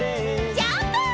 ジャンプ！